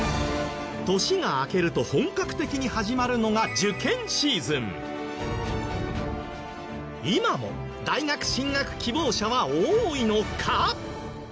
年が明けると本格的に始まるのが今も大学進学希望者は多いのか？